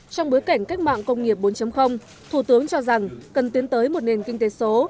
trong bối cảnh cách mạng công nghiệp bốn thủ tướng cho rằng cần tiến tới một nền kinh tế số